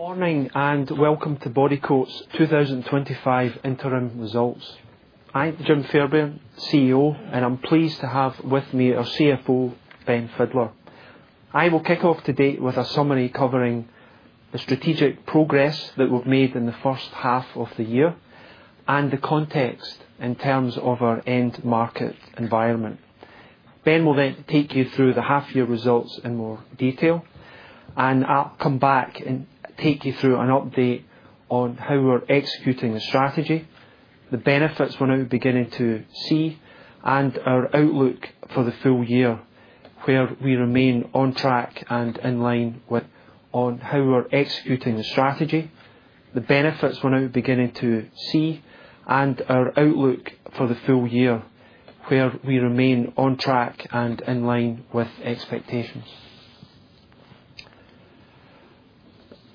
Good morning and welcome to Bodycote's 2025 interim results. I'm Jim Fairbairn, CEO, and I'm pleased to have with me our CFO, Ben Fidler. I will kick off today with a summary covering the strategic progress that we've made in the first half of the year and the context in terms of our end market environment. Ben will then take you through the half-year results in more detail, and I'll come back and take you through an update on how we're executing the strategy, the benefits we're now beginning to see, and our outlook for the full year, where we remain on track and in line with expectation.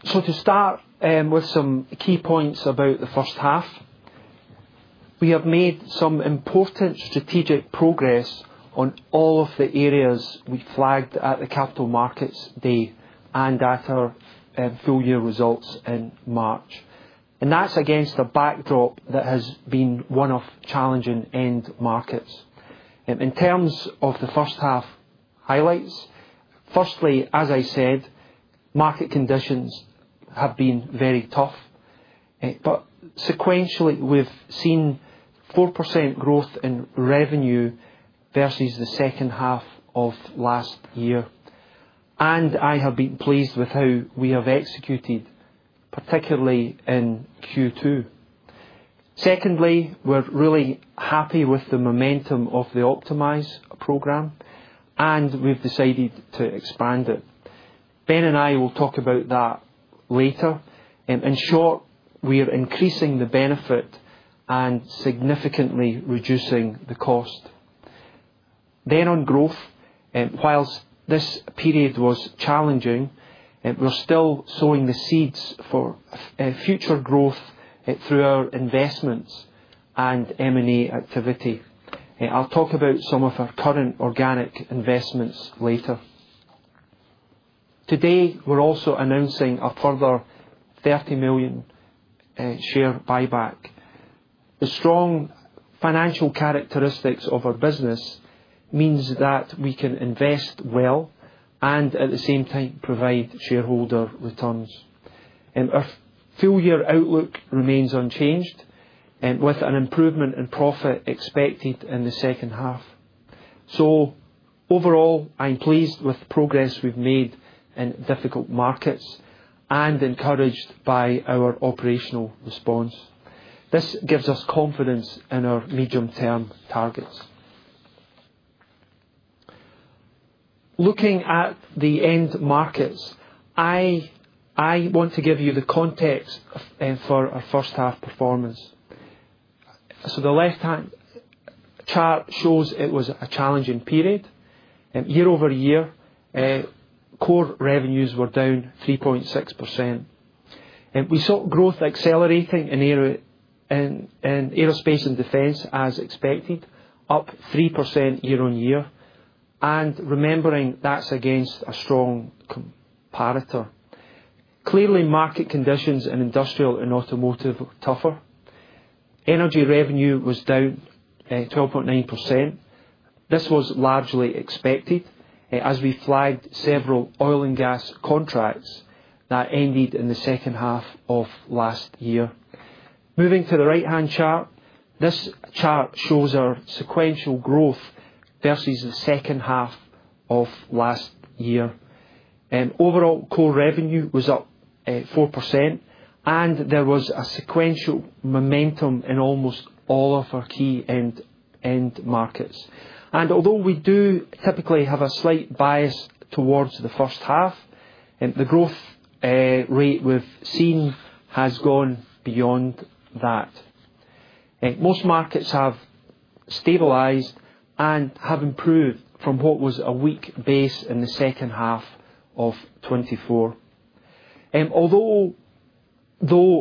To start with some key points about the first half, we have made some important strategic progress on all of the areas we flagged at the Capital Markets Day and at our full-year results in March. That's against a backdrop that has been one of challenging end markets. In terms of the first half highlights, firstly, as I said, market conditions have been very tough, but sequentially we've seen 4% growth in revenue versus the second half of last year. I have been pleased with how we have executed, particularly in Q2. Secondly, we're really happy with the momentum of the Optimise program, and we've decided to expand it. Ben and I will talk about that later. In short, we're increasing the benefit and significantly reducing the cost. On growth, whilst this period was challenging, we're still sowing the seeds for future growth through our investments and M&A activity. I'll talk about some of our current organic investments later. Today, we're also announcing a further 30 million share buyback. The strong financial characteristics of our business mean that we can invest well and at the same time provide shareholder returns. Our full-year outlook remains unchanged, with an improvement in profit expected in the second half. Overall, I'm pleased with the progress we've made in difficult markets and encouraged by our operational response. This gives us confidence in our medium-term targets. Looking at the end markets, I want to give you the context for our first-half performance. The left-hand chart shows it was a challenging period. Year-over-year, core revenues were down 3.6%. We saw growth accelerating in aerospace and defence as expected, up 3% year-on-year, and remembering that's against a strong comparator. Clearly, market conditions in industrial and automotive were tougher. Energy revenue was down 12.9%. This was largely expected as we flagged several oil and gas contracts that ended in the second half of last year. Moving to the right-hand chart, this chart shows our sequential growth versus the second half of last year. Overall, core revenue was up 4%, and there was a sequential momentum in almost all of our key end markets. Although we do typically have a slight bias towards the first half, the growth rate we've seen has gone beyond that. Most markets have stabilized and have improved from what was a weak base in the second half of 2024. Although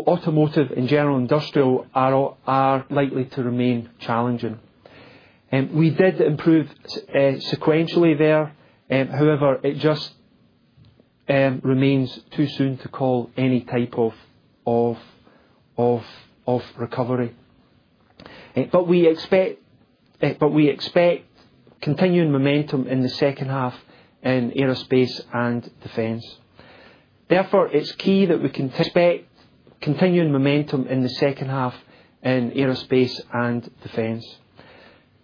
automotive and general industrial are likely to remain challenging, we did improve sequentially there. However, it just remains too soon to call any type of recovery. We expect continued momentum in the second half in aerospace and defence.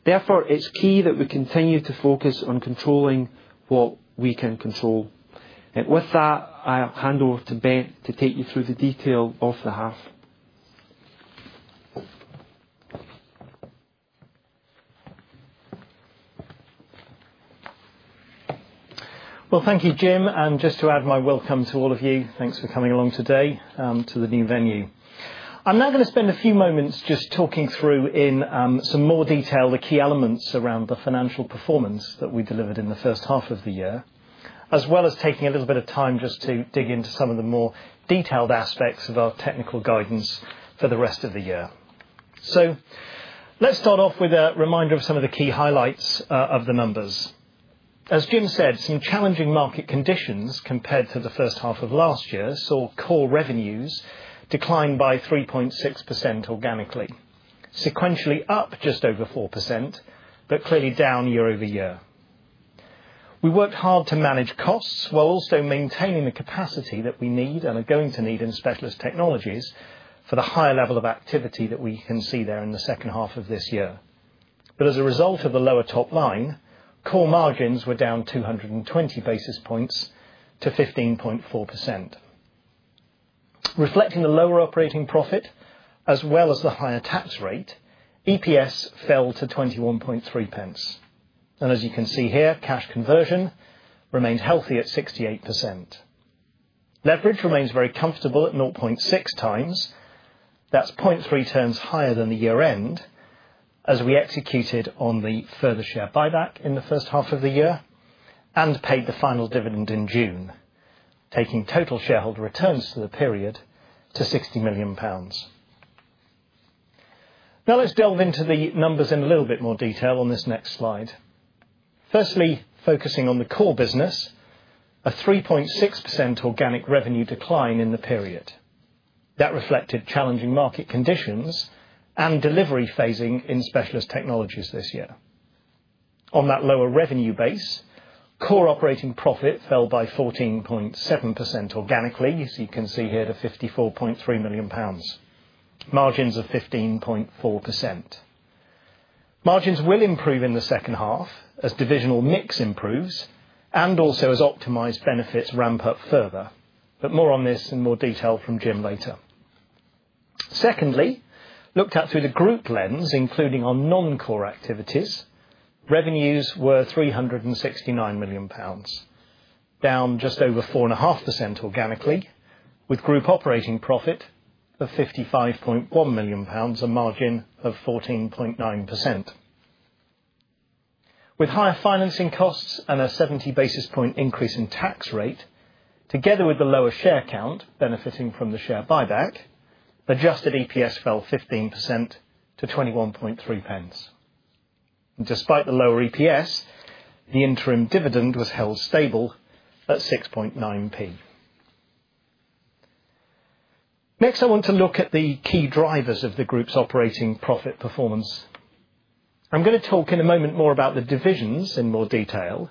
Therefore, it's key that we continue to focus on controlling what we can control. With that, I'll hand over to Ben to take you through the detail of the half. Thank you, Jim. Just to add my welcome to all of you, thanks for coming along today to the new venue. I'm now going to spend a few moments just talking through in some more detail the key elements around the financial performance that we delivered in the first half of the year, as well as taking a little bit of time just to dig into some of the more detailed aspects of our technical guidance for the rest of the year. Let's start off with a reminder of some of the key highlights of the numbers. As Jim said, some challenging market conditions compared to the first half of last year saw core revenues decline by 3.6% organically, sequentially up just over 4%, but clearly down year over year. We worked hard to manage costs while also maintaining the capacity that we need and are going to need in specialist technologies for the high level of activity that we can see there in the second half of this year. As a result of the lower top line, core margins were down 220 basis points to 15.4%. Reflecting the lower operating profit as well as the higher tax rate, EPS fell to 0.213. As you can see here, cash conversion remains healthy at 68%. Leverage remains very comfortable at 0.6x. That's 0.3x higher than the year-end, as we executed on the further share buyback in the first half of the year and paid the final dividend in June, taking total shareholder returns for the period to 60 million pounds. Now let's delve into the numbers in a little bit more detail on this next slide. Firstly, focusing on the core business, a 3.6% organic revenue decline in the period. That reflected challenging market conditions and delivery phasing in specialist technologies this year. On that lower revenue base, core operating profit fell by 14.7% organically, as you can see here, to 54.3 million pounds. Margins of 15.4%. Margins will improve in the second half as divisional mix improves and also as Optimise benefits ramp up further. More on this in more detail from Jim later. Secondly, looked at through the group lens, including our non-core activities, revenues were 369 million pounds, down just over 4.5% organically, with group operating profit of GBP 55.1 million and margin of 14.9%. With higher financing costs and a 70 basis point increase in tax rate, together with the lower share count benefiting from the share buyback, adjusted EPS fell 15% to 0.213. Despite the lower EPS, the interim dividend was held stable at 0.069. Next, I want to look at the key drivers of the group's operating profit performance. I'm going to talk in a moment more about the divisions in more detail.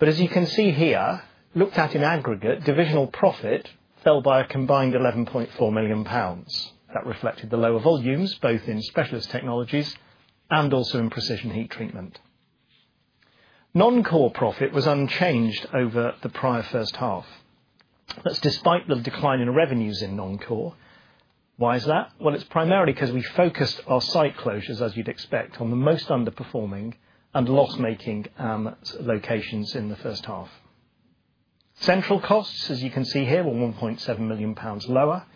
As you can see here, looked at in aggregate, divisional profit fell by a combined 11.4 million pounds. That reflected the lower volumes both in specialist technologies and also in precision heat treatment. Non-core profit was unchanged over the prior first half. That's despite the decline in revenues in non-core. Why is that? It's primarily because we focused our site closures, as you'd expect, on the most underperforming and loss-making locations in the first half. Central costs, as you can see here, were 1.7 million pounds lower.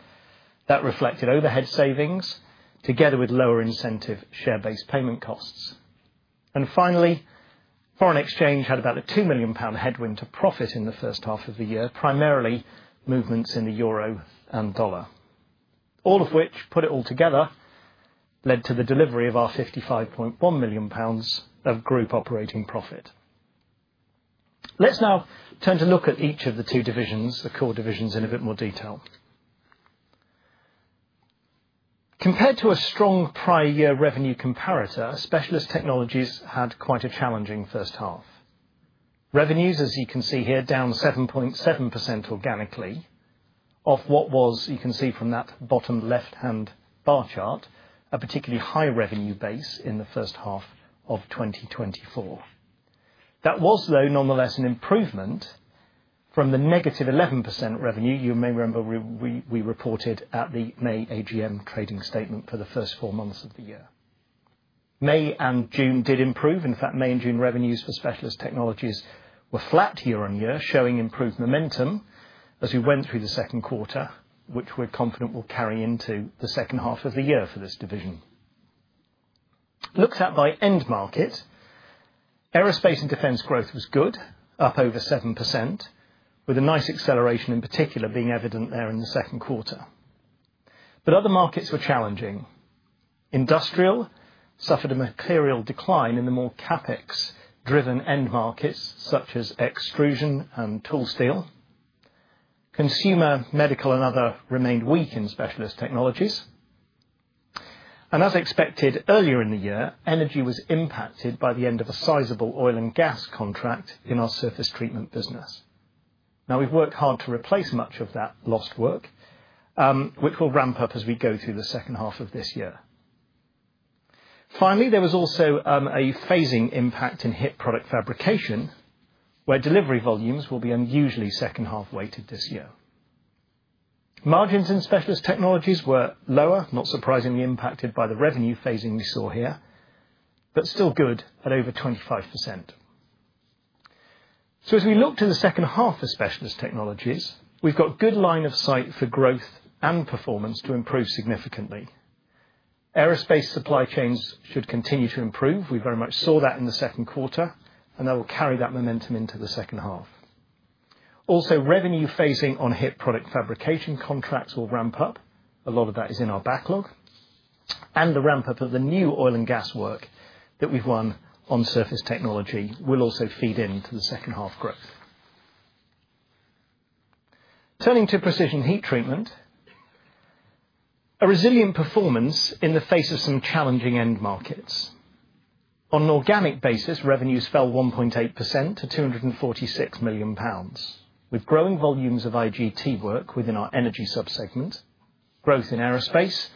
That reflected overhead savings, together with lower incentive share-based payment costs. Finally, foreign exchange had about a 2 million pound headwind to profit in the first half of the year, primarily movements in the euro and dollar. All of which, put it all together, led to the delivery of our 55.1 million pounds of group operating profit. Let's now turn to look at each of the two divisions, the core divisions, in a bit more detail. Compared to a strong prior-year revenue comparator, specialist technologies had quite a challenging first half. Revenues, as you can see here, down 7.7% organically off what was, you can see from that bottom left-hand bar chart, a particularly high revenue base in the first half of 2024. That was, though, nonetheless an improvement from the -11% revenue you may remember we reported at the May AGM trading statement for the first four months of the year. May and June did improve. In fact, May and June revenues for specialist technologies were flat year-on-year, showing improved momentum as we went through the second quarter, which we're confident will carry into the second half of the year for this division. Looked at by end market, aerospace and defence growth was good, up over 7%, with a nice acceleration in particular being evident there in the second quarter. Other markets were challenging. Industrial suffered a material decline in the more CapEx-driven end markets, such as extrusion and tool steel. Consumer, medical, and other remained weak in specialist technologies. As expected earlier in the year, energy was impacted by the end of a sizable oil and gas contract in our surface treatment business. We've worked hard to replace much of that lost work, which will ramp up as we go through the second half of this year. Finally, there was also a phasing impact in HIP product fabrication, where delivery volumes will be unusually second-half weighted this year. Margins in specialist technologies were lower, not surprisingly impacted by the revenue phasing we saw here, but still good at over 25%. As we look to the second half of specialist technologies, we've got a good line of sight for growth and performance to improve significantly. Aerospace supply chains should continue to improve. We very much saw that in the second quarter, and that will carry that momentum into the second half. Also, revenue phasing on HIP Product Fabrication contracts will ramp up. A lot of that is in our backlog. The ramp-up of the new oil and gas work that we've won on surface technology will also feed into the second half growth. Turning to precision heat treatment, a resilient performance in the face of some challenging end markets. On an organic basis, revenues fell 1.8% to 246 million pounds, with growing volumes of IGT work within our energy subsegment, growth in aerospace,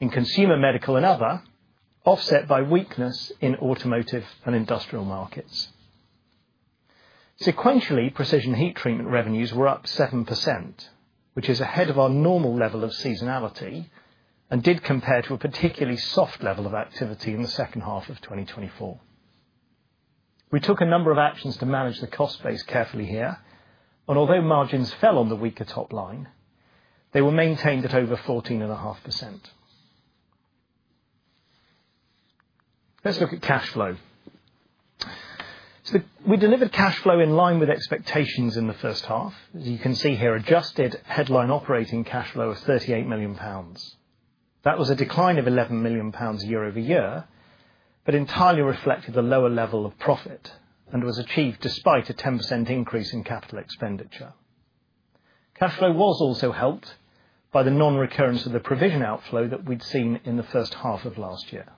in consumer, medical, and other, offset by weakness in automotive and industrial markets. Sequentially, precision heat treatment revenues were up 7%, which is ahead of our normal level of seasonality and did compare to a particularly soft level of activity in the second half of 2024. We took a number of actions to manage the cost base carefully here. Although margins fell on the weaker top line, they were maintained at over 14.5%. Let's look at cash flow. We delivered cash flow in line with expectations in the first half. As you can see here, adjusted headline operating cash flow of 38 million pounds. That was a decline of 11 million pounds year-over-year, but entirely reflected the lower level of profit and was achieved despite a 10% increase in capital expenditure. Cash flow was also helped by the non-recurrence of the provision outflow that we'd seen in the first half of last year.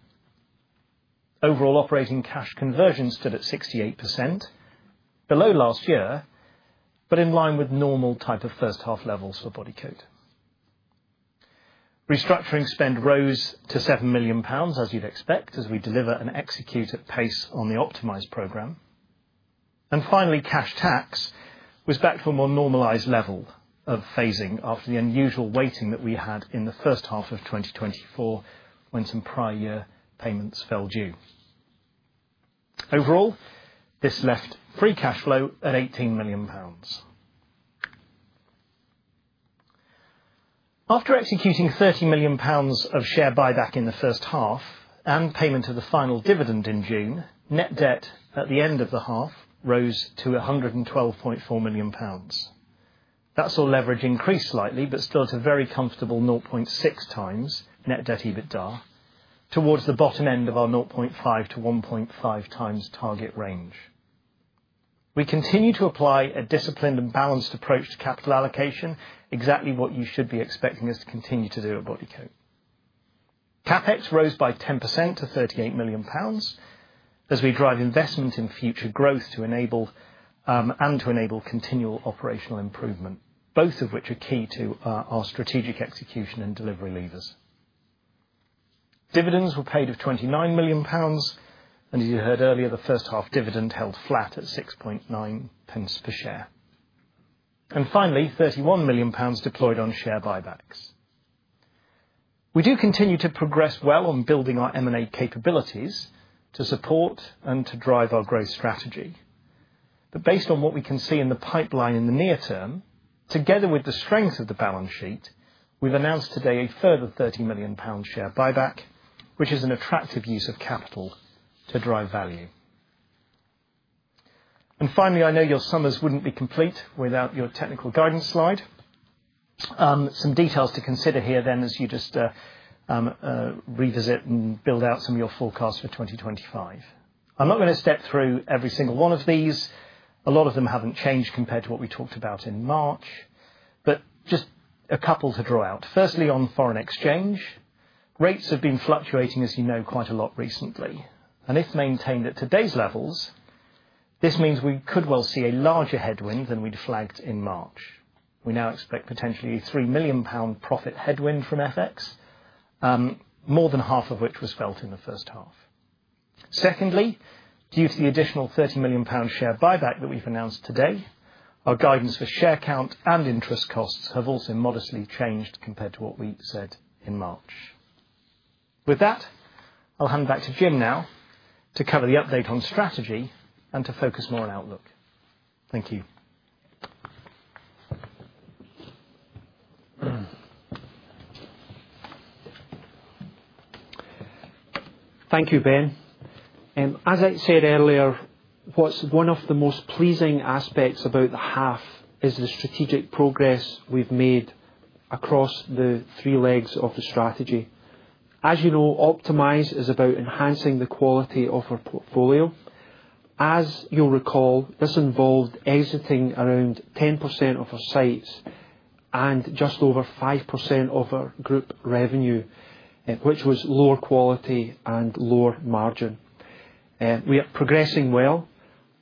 Overall, operating cash conversion stood at 68% below last year, but in line with normal type of first-half levels for Bodycote. Restructuring spend rose to 7 million pounds, as you'd expect, as we deliver and execute at pace on the Optimise program. Finally, cash tax was back to a more normalised level of phasing after the unusual waiting that we had in the first half of 2024 when some prior-year payments fell due. Overall, this left free cash flow at 18 million pounds. After executing 30 million pounds of share buyback in the first half and payment of the final dividend in June, net debt at the end of the half rose to 112.4 million pounds. That’s all leverage increased slightly, but still to very comfortable 0.6x net debt EBITDA towards the bottom end of our 0.5x to 1.5x target range. We continue to apply a disciplined and balanced approach to capital allocation, exactly what you should be expecting us to continue to do at Bodycote. CapEx rose by 10% to 38 million pounds, as we drive investment in future growth to enable and to enable continual operational improvement, both of which are key to our strategic execution and delivery leaders. Dividends were paid of 29 million pounds, and as you heard earlier, the first half dividend held flat at 0.069 per share. Finally, 31 million pounds deployed on share buybacks. We do continue to progress well on building our M&A capabilities to support and to drive our growth strategy. Based on what we can see in the pipeline in the near term, together with the strength of the balance sheet, we've announced today a further 30 million pound share buyback, which is an attractive use of capital to drive value. Finally, I know your summers wouldn't be complete without your technical guidance slide. Some details to consider here as you revisit and build out from your forecast for 2025. I'm not going to step through every single one of these. A lot of them haven't changed compared to what we talked about in March, but just a couple to draw out. Firstly, on foreign exchange, rates have been fluctuating, as you know, quite a lot recently. If maintained at today's levels, this means we could well see a larger headwind than we'd flagged in March. We now expect potentially a 3 million pound profit headwind from FX, more than half of which was felt in the first half. Secondly, due to the additional 30 million pound share buyback that we've announced today, our guidance for share count and interest costs have also modestly changed compared to what we said in March. With that, I'll hand back to Jim now to cover the update on strategy and to focus more on outlook. Thank you. Thank you, Ben. As I said earlier, what's one of the most pleasing aspects about the half is the strategic progress we've made across the three legs of the strategy. As you know, Optimise is about enhancing the quality of our portfolio. As you'll recall, this involved exiting around 10% of our sites and just over 5% of our group revenue, which was lower quality and lower margin. We are progressing well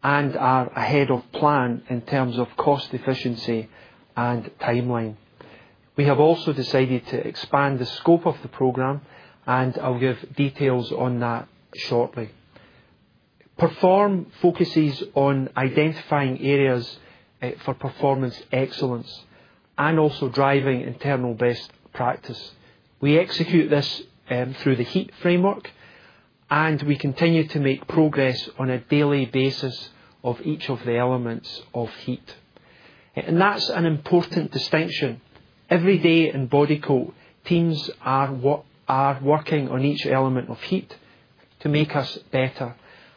and are ahead of plan in terms of cost efficiency and timeline. We have also decided to expand the scope of the program, and I'll give details on that shortly. Perform focuses on identifying areas for performance excellence and also driving internal best practice. We execute this through the HEAT framework, and we continue to make progress on a daily basis of each of the elements of HEAT. That's an important distinction. Every day in Bodycote, teams are working on each element of HEAT to make us better.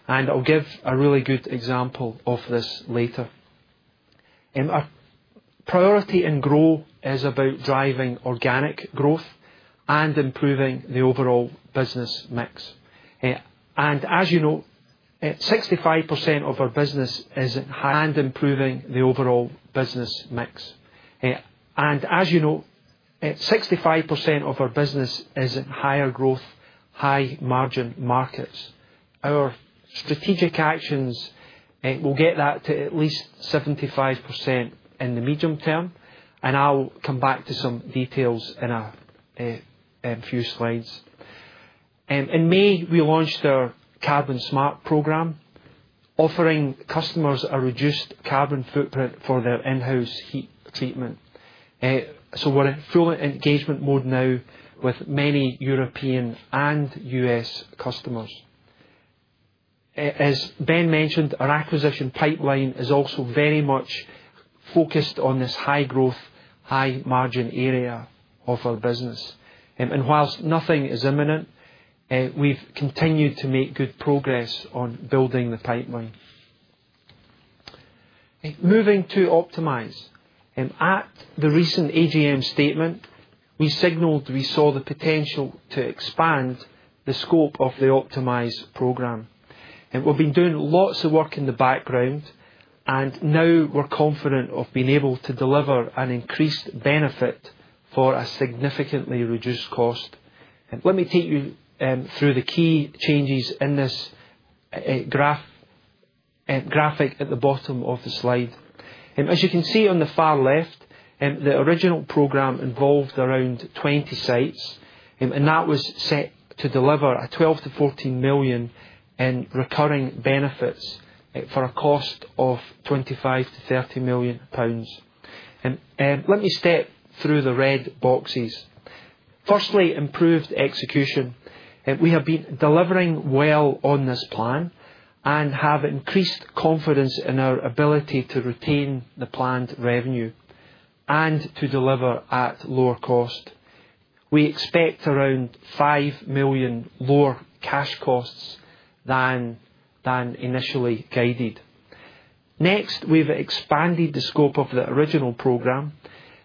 I'll give a really good example of this later. Our priority in Grow is about driving organic growth and improving the overall business mix. As you know, 65% of our business is in high margin markets. Improving the overall business mix, as you know, 65% of our business is in higher growth, high margin markets. Our strategic actions will get that to at least 75% in the medium term. I'll come back to some details in a few slides. In May, we launched our Carbon Smart program, offering customers a reduced carbon footprint for their in-house heat treatment. We're in full engagement mode now with many European and U.S. customers. As Ben mentioned, our acquisition pipeline is also very much focused on this high growth, high margin area of our business. Whilst nothing is imminent, we've continued to make good progress on building the pipeline. Moving to Optimise, at the recent AGM statement, we signaled we saw the potential to expand the scope of the Optimise program. We've been doing lots of work in the background, and now we're confident of being able to deliver an increased benefit for a significantly reduced cost. Let me take you through the key changes in this graphic at the bottom of the slide. As you can see on the far left, the original program involved around 20 sites, and that was set to deliver a 12-14 million in recurring benefits for a cost of 25-30 million pounds. Let me step through the red boxes. Firstly, improved execution. We have been delivering well on this plan and have increased confidence in our ability to retain the planned revenue and to deliver at lower cost. We expect around 5 million lower cash costs than initially guided. Next, we've expanded the scope of the original program.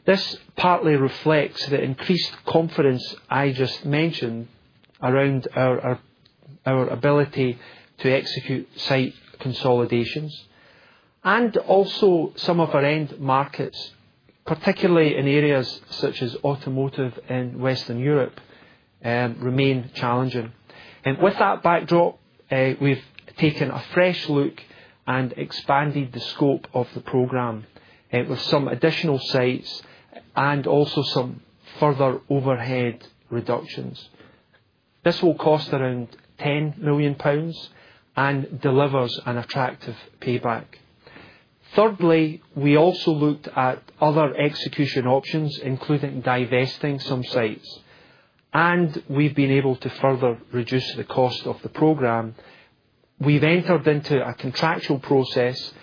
This partly reflects the increased confidence I just mentioned around our ability to execute site consolidations. Some of our end markets, particularly in areas such as automotive in Western Europe, remain challenging. With that backdrop, we've taken a fresh look and expanded the scope of the program with some additional sites and also some further overhead reductions. This will cost around 10 million pounds and delivers an attractive payback. Thirdly, we also looked at other execution options, including divesting some sites. We've been able to further reduce the cost of the program. We've entered into a contractual process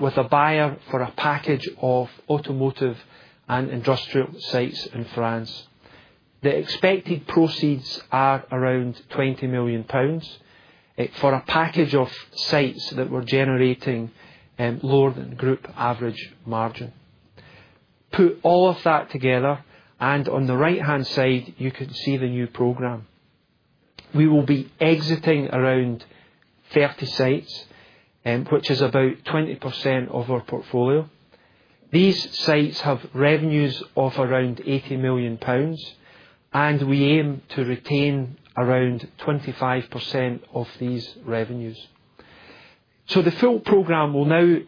with a buyer for a package of automotive and industrial sites in France. The expected proceeds are around 20 million pounds for a package of sites that were generating lower than the group average margin. Put all of that together, and on the right-hand side, you can see the new program. We will be exiting around 30 sites, which is about 20% of our portfolio. These sites have revenues of around 80 million pounds, and we aim to retain around 25% of these revenues. The full program will now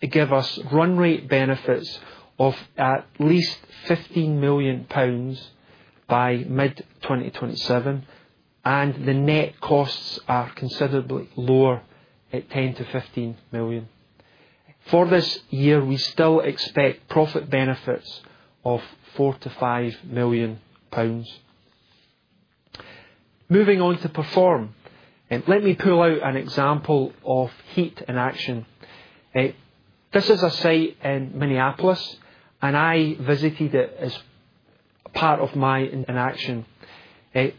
give us run rate benefits of at least 15 million pounds by mid-2027, and the net costs are considerably lower at 10-15 million. For this year, we still expect profit benefits of 4-5 million pounds. Moving on to Perform, let me pull out an example of HEAT in action. This is a site in Minneapolis, and I visited it as part of my induction program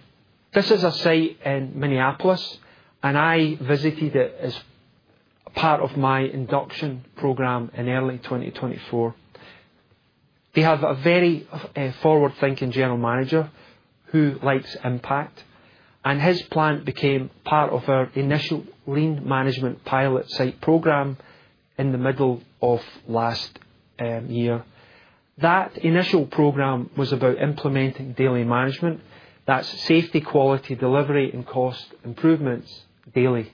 in early 2024. We have a very forward-thinking General Manager who likes impact, and his plan became part of our initial Lean Management Pilot Site program in the middle of last year. That initial program was about implementing daily management. That's safety, quality, delivery, and cost improvements daily.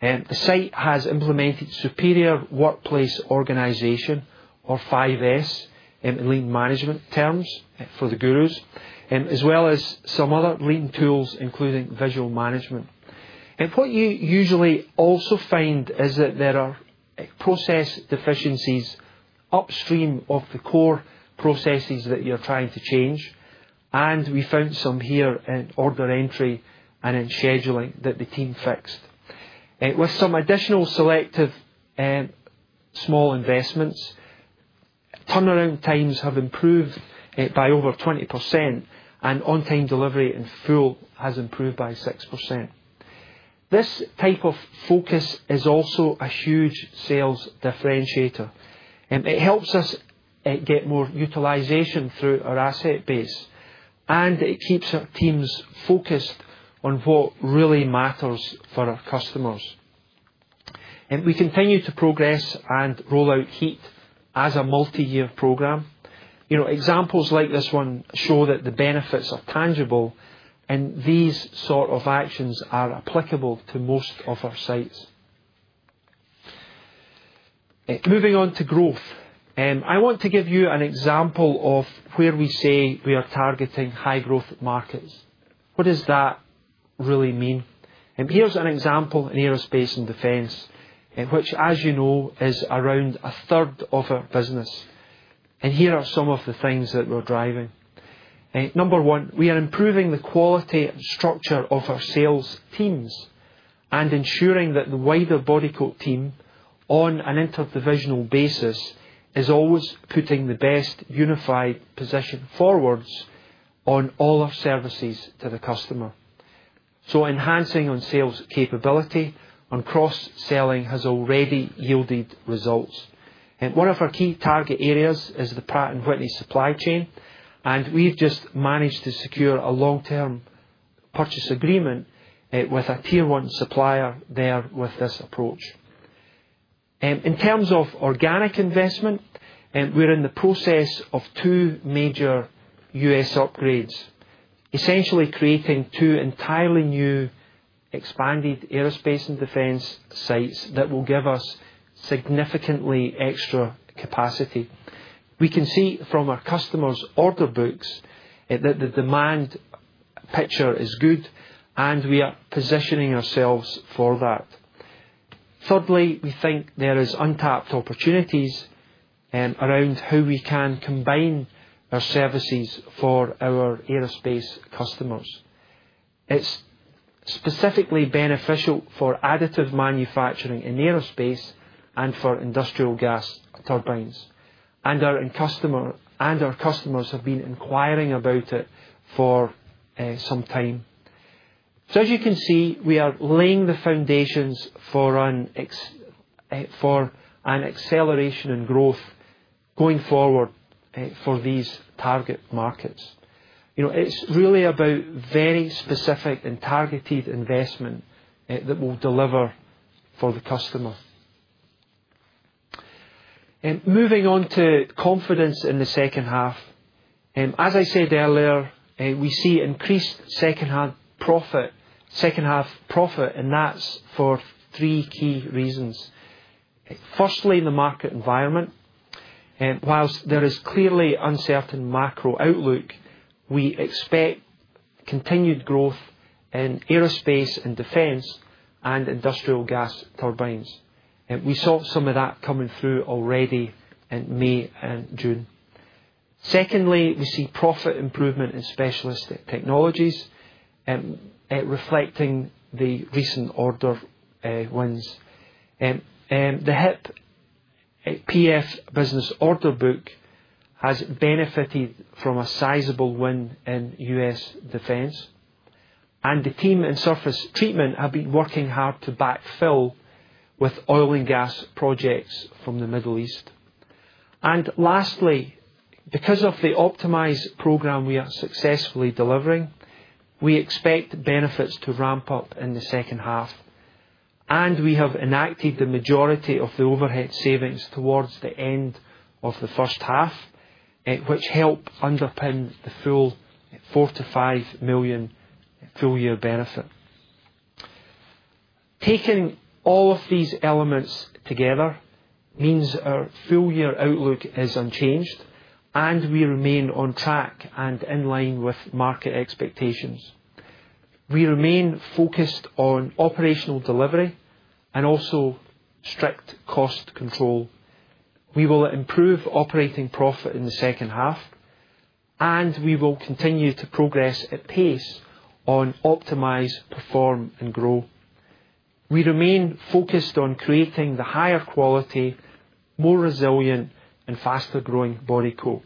The site has implemented superior workplace organization, or 5S in Lean Management terms for the gurus, as well as some other Lean tools, including visual management. What you usually also find is that there are process deficiencies upstream of the core processes that you're trying to change. We found some here in order entry and in scheduling that the team fixed. With some additional selective small investment, turnaround times have improved by over 20%, and on-time delivery in full has improved by 6%. This type of focus is also a huge sales differentiator. It helps us get more utilization through our asset base, and it keeps our teams focused on what really matters for our customers. We continue to progress and roll out HEAT as a multi-year program. Examples like this one show that the benefits are tangible, and these sort of actions are applicable to most of our sites. Moving on to growth, I want to give you an example of where we say we are targeting high-growth markets. What does that really mean? Here's an example in aerospace and defence, which, as you know, is around a third of our business. Here are some of the things that we're driving. Number one, we are improving the quality and structure of our sales teams and ensuring that the wider Bodycote team, on an inter-divisional basis, is always putting the best unified position forward on all our services to the customer. Enhancing on sales capability and cross-selling has already yielded results. One of our key target areas is the Pratt & Whitney supply chain, and we've just managed to secure a long-term purchase agreement with a tier-one supplier there with this approach. In terms of organic investment, we're in the process of two major U.S. upgrades, essentially creating two entirely new expanded aerospace and defence sites that will give us significantly extra capacity. We can see from our customers' order books that the demand picture is good, and we are positioning ourselves for that. Thirdly, we think there are untapped opportunities around how we can combine our services for our aerospace customers. It's specifically beneficial for additive manufacturing in aerospace and for industrial gas turbines. Our customers have been inquiring about it for some time. As you can see, we are laying the foundations for an acceleration in growth going forward for these target markets. It's really about very specific and targeted investment that will deliver for the customer. Moving on to confidence in the second half. As I said earlier, we see increased second-half profit, and that's for three key reasons. Firstly, in the market environment, whilst there is clearly uncertain macro outlook, we expect continued growth in aerospace and defence and industrial gas turbines. We saw some of that coming through already in May and June. Secondly, we see profit improvement in specialist technologies reflecting the recent order wins. The HIP PF business order book has benefited from a sizable win in U.S. defence. The team in surface treatment have been working hard to backfill with oil and gas projects from the Middle East. Lastly, because of the Optimise program we are successfully delivering, we expect benefits to ramp up in the second half. We have enacted the majority of the overhead savings towards the end of the first half, which help underpin the full 45 million full-year benefit. Taking all of these elements together means our full-year outlook is unchanged, and we remain on track and in line with market expectations. We remain focused on operational delivery and also strict cost control. We will improve operating profit in the second half, and we will continue to progress at pace on Optimise, Perform, and Grow. We remain focused on creating the higher quality, more resilient, and faster-growing Bodycote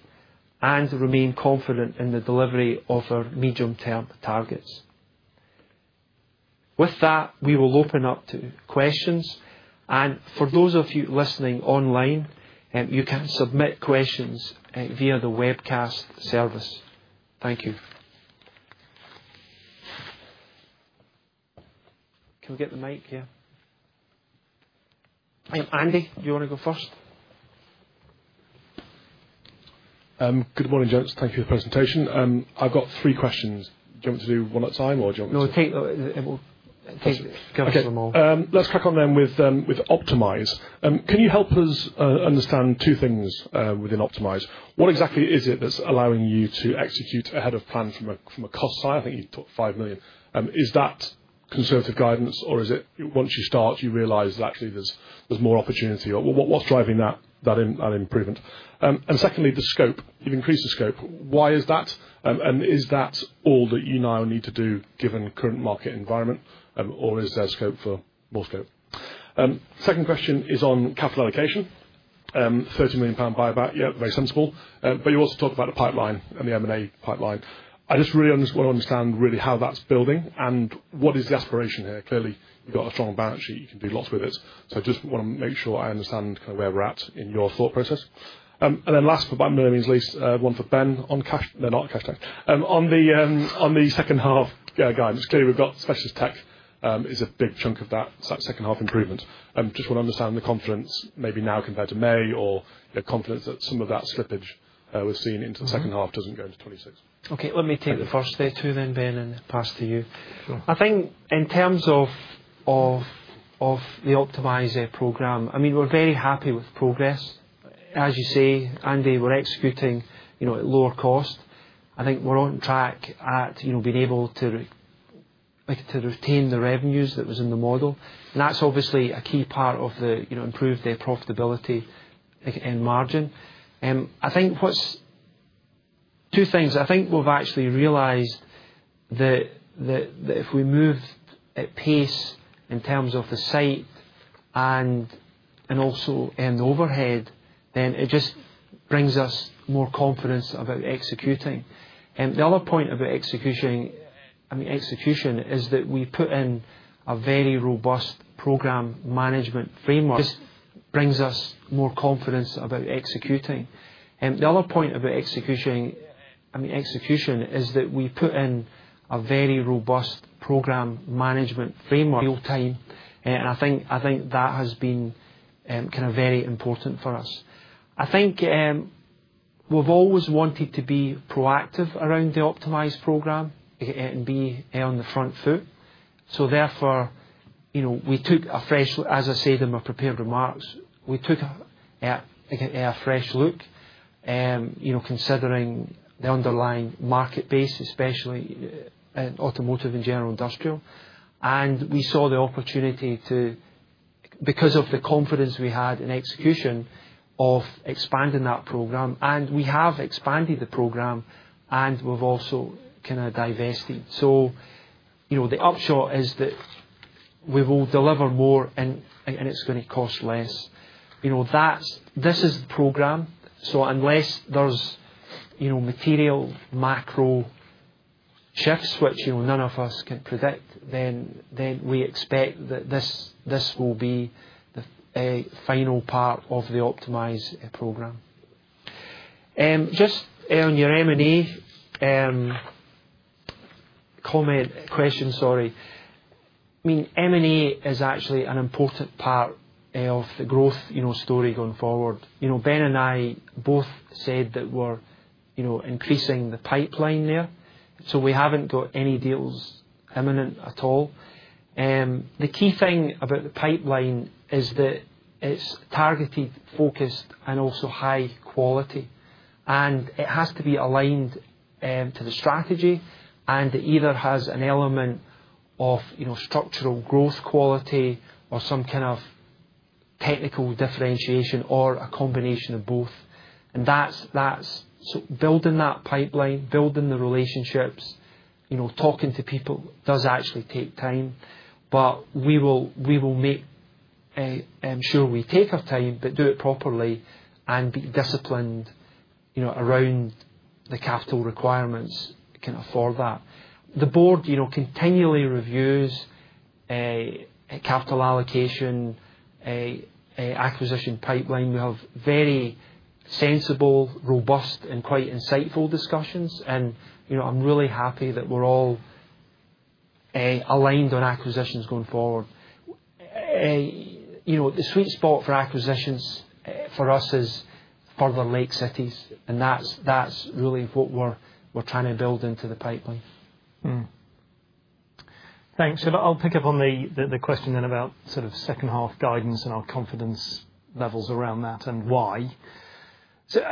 and remain confident in the delivery of our medium-term targets. With that, we will open up to questions. For those of you listening online, you can submit questions via the webcast service. Thank you. Can we get the mic here? Andy, do you want to go first? Good morning, James. Thanks for your presentation. I've got three questions. Do you want to do one at a time or do you want to? No, I think go for them all. Let's crack on then with Optimise. Can you help us understand two things within Optimise? What exactly is it that's allowing you to execute ahead of plan from a cost side? I think you talked 5 million. Is that conservative guidance, or is it once you start, you realize that actually there's more opportunity? What's driving that improvement? Secondly, the scope. You've increased the scope. Why is that? Is that all that you now need to do given the current market environment, or is there scope for more scope? Second question is on capital allocation. 30 million pound buyback. Yeah, very sensible. You also talk about the pipeline and the M&A pipeline. I just really want to understand really how that's building and what is the aspiration here. Clearly, you've got a strong balance sheet. You can do lots with it. I just want to make sure I understand kind of where we're at in your thought process. Last, but by no means least, one for Ben on, no, not the cash tax. On the second half guidance, clearly we've got specialist tech. It's a big chunk of that second half improvement. Just want to understand the confidence maybe now compared to May or your confidence that some of that slippage we've seen into the second half doesn't go into 2026. Okay, let me take the first there too, then, Ben, and pass to you. Sure. I think in terms of the Optimise program, I mean, we're very happy with progress. As you say, Andy, we're executing at lower cost. I think we're on track at being able to retain the revenues that were in the model, and that's obviously a key part of the improved profitability and margin. I think what's two things. I think we've actually realized that if we move at pace in terms of the site and also in the overhead, then it just brings us more confidence about executing. The other point about execution is that we put in a very robust program management framework. It just brings us more confidence about executing. The other point about execution is that we put in a very robust program management framework, real-time, and I think that has been kind of very important for us. I think we've always wanted to be proactive around the Optimise program and be on the front foot. Therefore, you know, we took a fresh look, as I said in my prepared remarks, we took a fresh look, you know, considering the underlying market base, especially in automotive and general industrial. We saw the opportunity to, because of the confidence we had in execution of expanding that program. We have expanded the program and we've also kind of divested. The upshot is that we will deliver more and it's going to cost less. This is the program. Unless there's, you know, material macro shifts which none of us can predict, then we expect that this will be the final part of the Optimise program. Just on your M&A comment question, sorry. I mean, M&A is actually an important part of the growth story going forward. You know, Ben and I both said that we're, you know, increasing the pipeline there. We haven't got any deal imminent at all. The key thing about the pipeline is that it's targeted, focused, and also high quality, and it has to be aligned to the strategy. It either has an element of, you know, structural growth quality or some kind of technical differentiation or a combination of both. Building that pipeline, building the relationships, you know, talking to people does actually take time. We will, we will make, I'm sure we take our time, but do it properly and be disciplined, you know, around the capital requirements kind of for that. The board, you know, continually reviews capital allocation, acquisition pipeline. We have very sensible, robust, and quite insightful discussions, and, you know, I'm really happy that we're all aligned on acquisitions going forward. The sweet spot for acquisitions for us is further Lake City's, and that's really what we're trying to build into the pipeline. Thanks. I'll pick up on the question about second-half guidance and our confidence levels around that and why.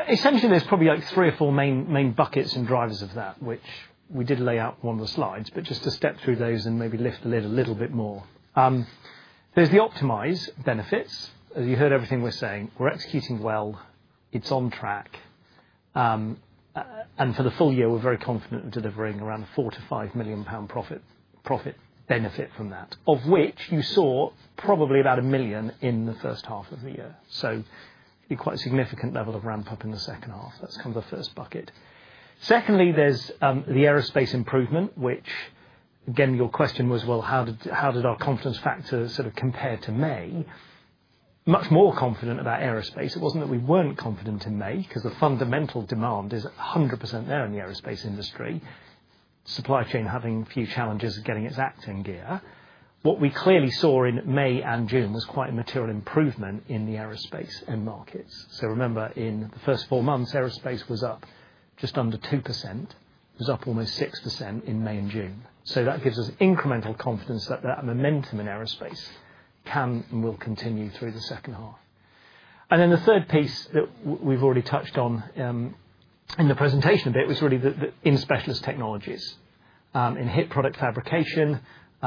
Essentially, there's probably three or four main buckets and drivers of that, which we did lay out on one of the slides. Just to step through those and maybe lift the lid a little bit more, there's the Optimise benefits. As you heard, everything we're saying, we're executing well. It's on track, and for the full year, we're very confident of delivering around a 4-5 million pound profit benefit from that, of which you saw probably about 1 million in the first half of the year. A quite significant level of ramp-up is expected in the second half. That's the first bucket. Secondly, there's the aerospace improvement. Your question was, how did our confidence factor compare to May? Much more confident about aerospace. It wasn't that we weren't confident in May because the fundamental demand is 100% there in the aerospace industry. The supply chain is having a few challenges getting back in gear. What we clearly saw in May and June was quite a material improvement in the aerospace end markets. In the first four months, aerospace was up just under 2%. It was up almost 6% in May and June. That gives us incremental confidence that the momentum in aerospace can and will continue through the second half. The third piece that we've already touched on in the presentation was really that in specialist technologies, in HIP Product Fabrication,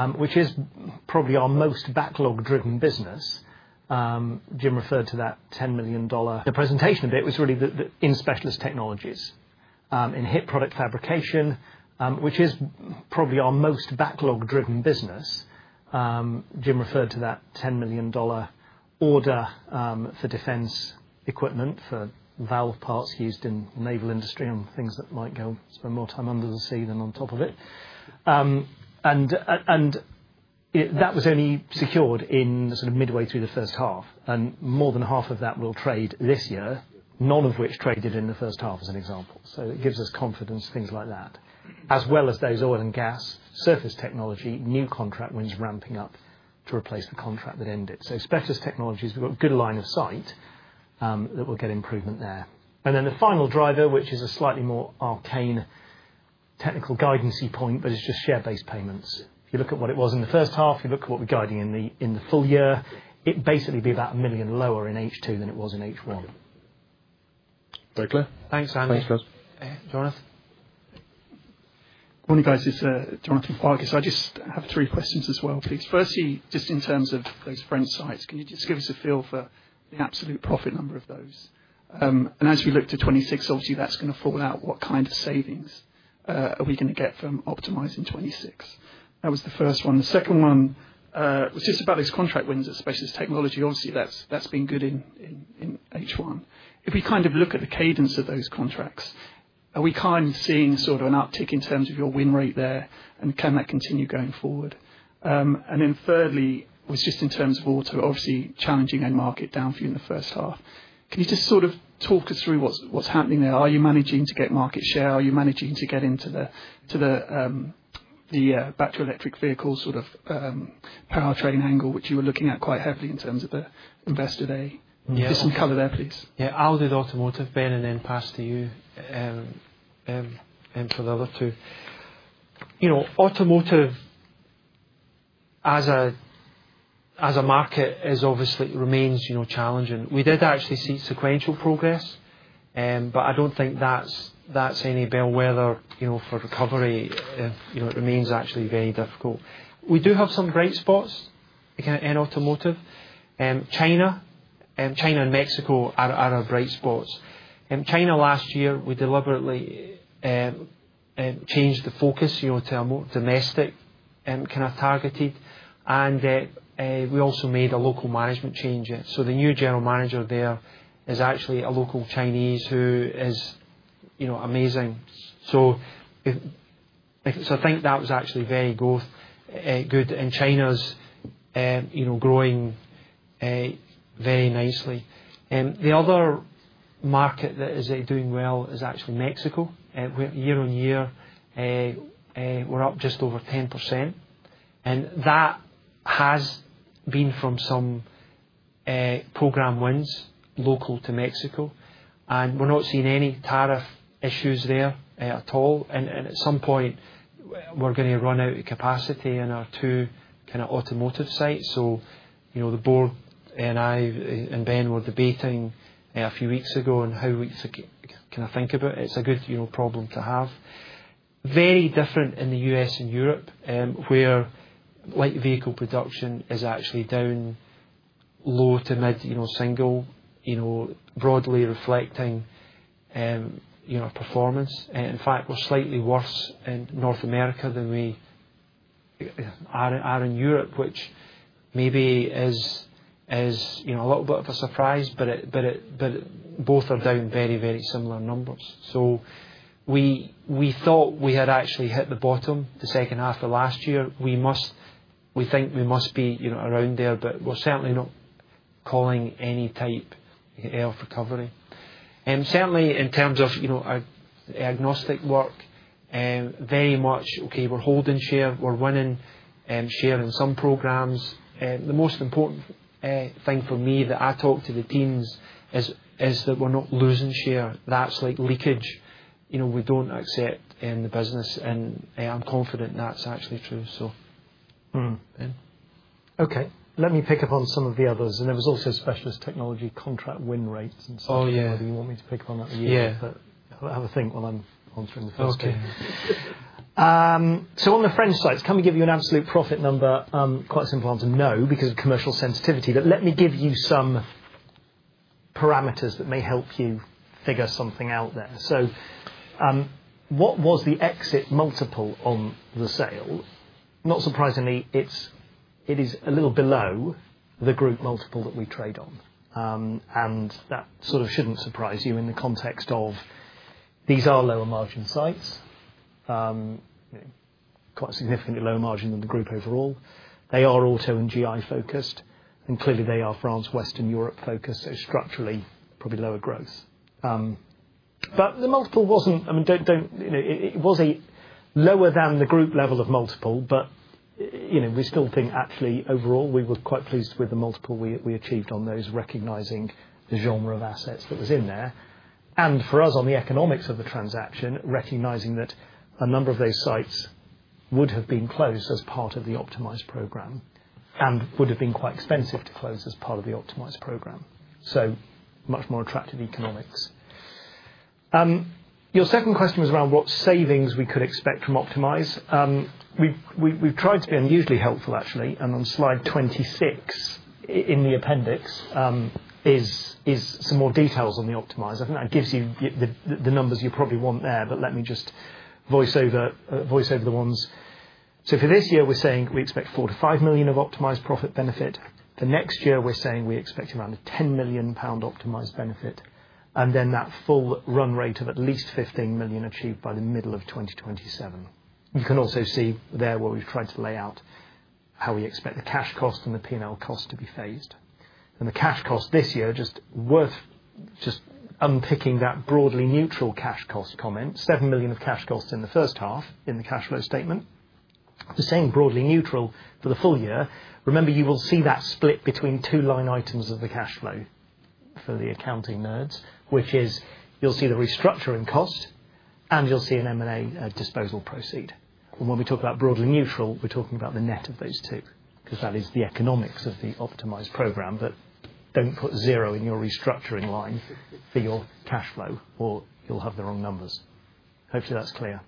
which is probably our most backlog-driven business. Jim referred to that $10 million order for defence equipment for valve parts used in the naval industry on things that might spend more time under the sea than on top of it. That was only secured midway through the first half, and more than half of that will trade this year, none of which traded in the first half as an example. That gives us confidence, things like that, as well as those oil and gas, surface technology, new contract wins ramping up to replace the contract that ended. In specialist technologies, we've got a good line of sight that we'll get improvement there. The final driver, which is a slightly more arcane technical guidance point, is just share-based payments. You look at what it was in the first half, you look at what we're guiding in the full year, it'll basically be about 1 million lower in H2 than it was in H1. Very clear. Thanks, Andy. Thanks, guys. Jonathan. Morning, guys. It's Jonathan Farkas. I just have three questions as well, please. Firstly, just in terms of those French sites, can you just give us a feel for the absolute profit number of those? As you look to 2026, obviously, that's going to fall out. What kind of savings are we going to get from Optimise in 2026? That was the first one. The second one was just about those contract wins of specialist technology. Obviously, that's been good in H1. If we kind of look at the cadence of those contracts, are we kind of seeing sort of an uptick in terms of your win rate there, and can that continue going forward? Thirdly, just in terms of auto, obviously, challenging end market down for you in the first half. Can you just sort of talk us through what's happening there? Are you managing to get market share? Are you managing to get into the back to electric vehicle sort of powertrain angle, which you were looking at quite heavily in terms of the investor there? Give us some color there, please. Yeah, I'll do the automotive, Ben, and then pass to you for the other two. Automotive, as a market, obviously remains challenging. We did actually see sequential progress, but I don't think that's any bellwether for recovery. It remains actually very difficult. We do have some bright spots in automotive. China and Mexico are our bright spots. In China last year, we deliberately changed the focus to a more domestic kind of targeted, and we also made a local management change. The new General Manager there is actually a local Chinese who is amazing. I think that was actually very good, and China is growing very nicely. The other market that is doing well is actually Mexico. Year-on-year, we're up just over 10%. That has been from some program wins local to Mexico. We're not seeing any tariff issues there at all. At some point, we're going to run out of capacity in our two automotive sites. The Board and I and Ben were debating a few weeks ago on how we can think about it. It's a good problem to have. Very different in the U.S. and Europe, where light vehicle production is actually down low to mid-single, broadly reflecting our performance. In fact, we're slightly worse in North America than we are in Europe, which maybe is a little bit of a surprise, but both are down very, very similar numbers. We thought we had actually hit the bottom the second half of last year. We think we must be around there, but we're certainly not calling any type of recovery. Certainly, in terms of our agnostic work, we're holding share, we're winning share in some programs. The most important thing for me that I talk to the teams is that we're not losing share. That's like leakage. We don't accept that in the business, and I am confident that's actually true. Okay. Let me pick up on some of the others. There was also specialist technology contract win rates and such. Oh, yeah. Do you want me to pick up on that? Yeah. Have a think while I'm answering the first two. On the French sites, can we give you an absolute profit number? Quite a simple answer, no, because of commercial sensitivity. Let me give you some parameters that may help you figure something out there. What was the exit multiple on the sale? Not surprisingly, it is a little below the group multiple that we trade on. That shouldn't surprise you in the context of these are lower margin sites, quite significantly lower margin than the group overall. They are auto and GI focused. Clearly, they are France, Western Europe focused. Structurally, probably lower growth. The multiple was lower than the group level of multiple, but we still think actually overall we were quite pleased with the multiple we achieved on those, recognizing the genre of assets that was in there. For us on the economics of the transaction, recognizing that a number of those sites would have been closed as part of the Optimise program and would have been quite expensive to close as part of the Optimise program, much more attractive economics. Your second question was around what savings we could expect from Optimise. We've tried to be unusually helpful, actually. On slide 26 in the appendix is some more details on the Optimise. I think that gives you the numbers you probably want there, but let me just voice over the ones. For this year, we're saying we expect 4-5 million of Optimise profit benefit. For next year, we're saying we expect around a 10 million pound Optimise benefit. That full run rate of at least 15 million achieved by the middle of 2027. You can also see there where we've tried to lay out how we expect the cash cost and the P&L cost to be phased. The cash cost this year, just worth unpicking that broadly neutral cash cost comment, 7 million of cash cost in the first half in the cash flow statement. If we're saying broadly neutral for the full year, remember you will see that split between two line items of the cash flow for the accounting nerds, which is you'll see the restructuring cost and you'll see an M&A disposal proceed. When we talk about broadly neutral, we're talking about the net of those two because that is the economics of the Optimise program. Don't put zero in your restructuring line for your cash flow or you'll have the wrong numbers. Hopefully, that's clear.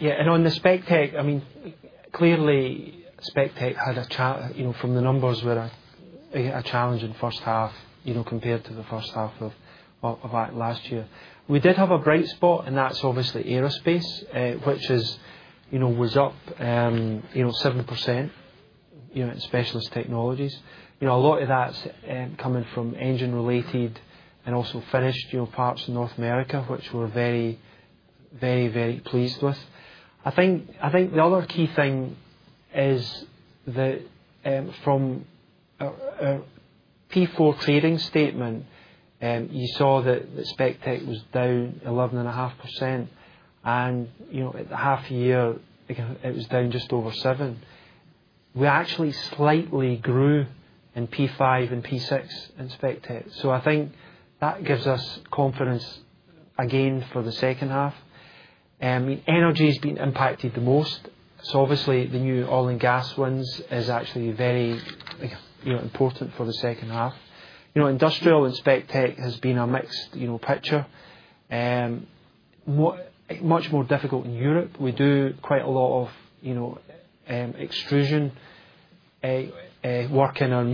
Yeah. On the Spectate, I mean, clearly, Spectate had a chat, you know, from the numbers were a challenge in the first half, you know, compared to the first half of last year. We did have a bright spot, and that's obviously aerospace, which is, you know, was up, you know, 7%, you know, in specialist technologies. A lot of that's coming from engine-related and also finished, you know, parts in North America, which we're very, very, very pleased with. I think the other key thing is that from a P4 trading statement, you saw that the spectate was down 11.5%. At the half a year, it was down just over 7%. We actually slightly grew in P5 and P6 in Spectate. I think that gives us confidence again for the second half. Energy has been impacted the most. The new oil and gas wins is actually very, you know, important for the second half. Industrial and Spectate has been a mixed, you know, picture, much more difficult in Europe. We do quite a lot of, you know, extrusion working on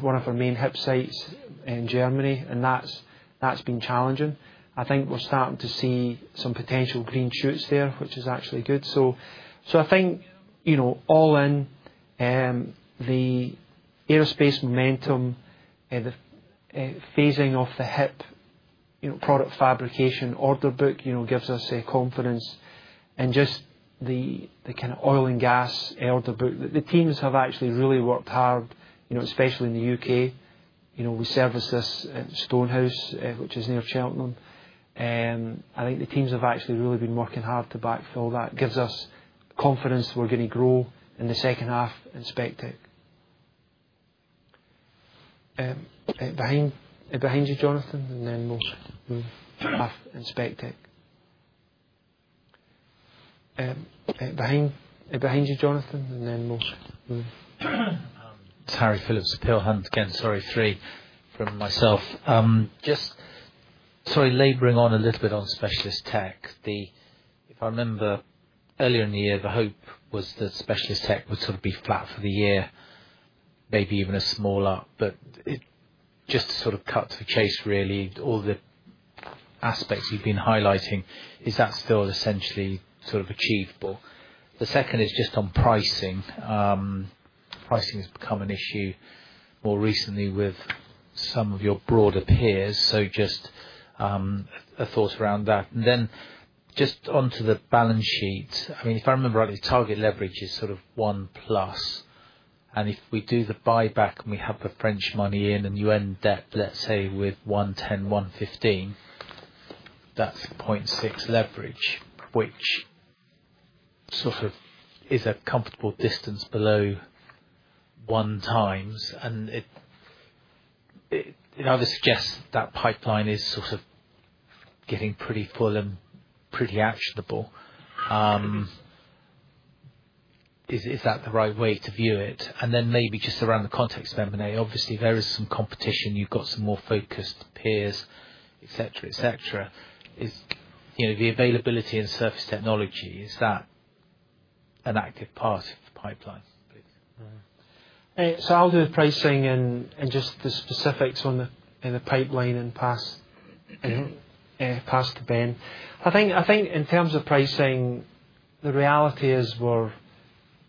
one of our main HIP sites in Germany. That's been challenging. I think we're starting to see some potential green shoots there, which is actually good. I think, you know, all in the aerospace momentum and the phasing of the HIP, you know, Product Fabrication order book, you know, gives us a confidence. Just the kind of oil and gas order book, the teams have actually really worked hard, you know, especially in the U.K. We service this Stonehouse, which is near Cheltenham. I think the teams have actually really been working hard to backfill that. It gives us confidence we're going to grow in the second half in Spectate. Behind you, Jonathan, and then we'll move back to spectate. Behind you, Jonathan, and then we'll move. It's Harry Phillips, the pill hunt again, sorry, three from myself. Just, sorry, laboring on a little bit on specialist tech. If I remember earlier in the year, the hope was that specialist tech would sort of be flat for the year, maybe even a smaller, but just to sort of cut to the chase, really, all the aspects you've been highlighting, is that still essentially sort of achievable? The second is just on pricing. Pricing has become an issue more recently with some of your broader peers. Just a thought around that. Then just onto the balance sheet. If I remember rightly, target leverage is sort of +1. If we do the buyback and we have the French money in and you end debt, let's say with $110 million, $115 million, that's 0.6 leverage, which is a comfortable distance below 1x. I would suggest that pipeline is sort of getting pretty full and pretty actionable. Is that the right way to view it? Maybe just around the context of M&A, obviously, there is some competition. You've got some more focused peers, etc., etc. Is the availability in surface technology, is that an active part of the pipeline, please? I'll do the pricing and just the specifics in the pipeline and pass to Ben. In terms of pricing, the reality is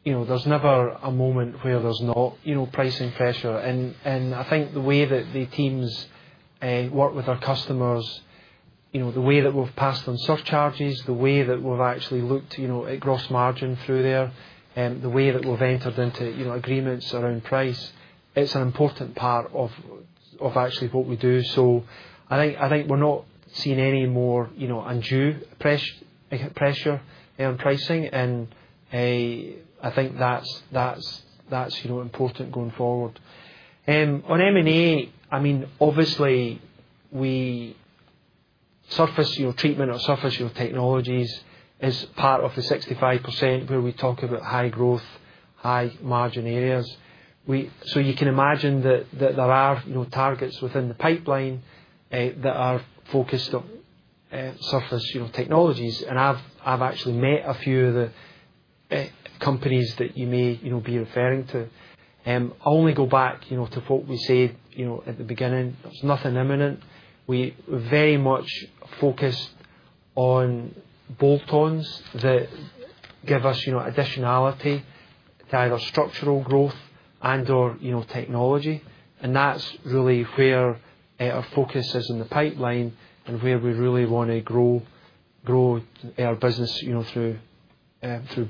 there's never a moment where there's not pricing pressure. The way that the teams work with our customers, the way that we've passed on surcharges, the way that we've actually looked at gross margin through there, and the way that we've entered into agreements around price, it's an important part of what we do. We're not seeing any more undue pressure on pricing, and that's important going forward. On M&A, obviously, surface treatment or surface technologies is part of the 65% where we talk about high growth, high-margin areas. You can imagine that there are targets within the pipeline that are focused on surface technologies. I've actually met a few of the companies that you may be referring to. I'll only go back to what we said at the beginning. Nothing imminent. We're very much focused on bolt-ons that give us additionality to either structural growth and/or technology. That's really where our focus is in the pipeline and where we really want to grow our business through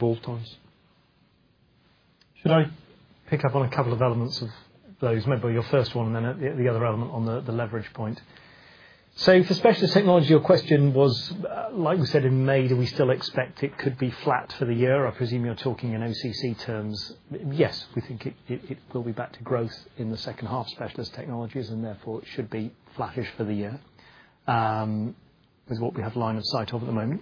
bolt-ons. Should I pick up on a couple of elements of those? Maybe your first one, and then the other element on the leverage point. For specialist technology, your question was, like we said in May, do we still expect it could be flat for the year? I presume you're talking in OCC terms. Yes, we think it will be back to growth in the second half, specialist technologies, and therefore it should be flattish for the year with what we have line of sight over at the moment.